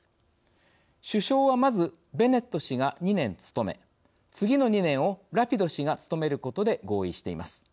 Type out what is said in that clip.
首相はまずベネット氏が２年務め次の２年をラピド氏が務めることで合意しています。